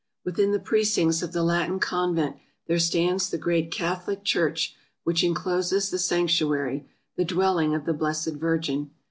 Within the precincts of the Latin convent there stands the great Catholic church which encloses the sanctuary — the dwelling of the blessed Virgin.